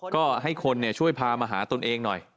ก็ให้คนช่วยพามาหาตนเองหน่อย